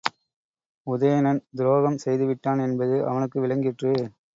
உதயணன் துரோகம் செய்துவிட்டான் என்பது அவனுக்கு விளங்கிற்று.